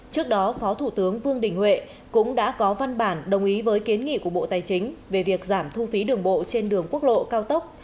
trước đó phó thủ tướng vương đình huệ cũng đã có văn bản đồng ý với kiến nghị của bộ tài chính về việc giảm thu phí đường bộ trên đường quốc lộ cao tốc